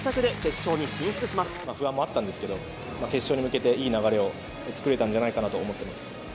不安もあったんですけど、決勝に向けて、いい流れを作れたんじゃないかなと思っています。